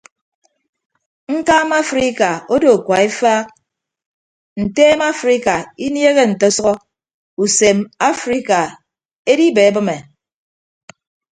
Ñkaama afrika odo kua efaak nteem afrika inieehe nte ọsʌhọ usem afrika edibeebịme.